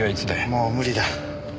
もう無理だ。